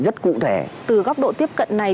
rất cụ thể từ góc độ tiếp cận này